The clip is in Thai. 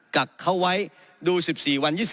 กักเขาไว้ดู๑๔วัน๒๐